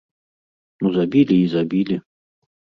Ну забілі і забілі.